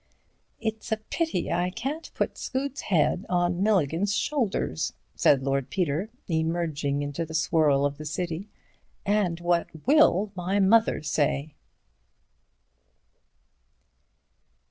"It's a pity I can't put Scoot's head on Milligan's shoulders," said Lord Peter, emerging into the swirl of the city, "and what will my mother say?"